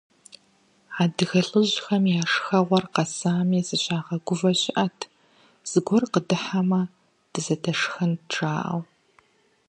Адыгэ лӀыжьхэм я шхэгъуэр къыщысами, зыщагъэгувэ щыӀэт, «зыгуэр къыдыхьамэ, дызэдэшхэнт», - жаӀэу.